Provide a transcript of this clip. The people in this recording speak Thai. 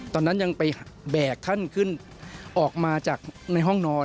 ตอนนั้นยังไปแบกท่านขึ้นออกมาจากในห้องนอน